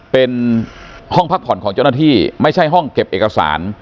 เป็นห้องพักผ่อนของเจ้าหน้าที่ไม่ใช่ห้องเก็บเอกสาร